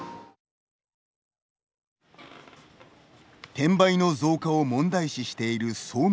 転売の増加を問題視している総務省。